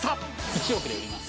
１億で売ります。